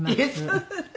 フフフフ。